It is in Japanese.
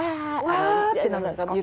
ワってなるんですか？